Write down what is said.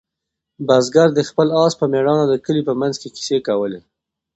بزګر د خپل آس په مېړانه د کلي په منځ کې کیسې کولې.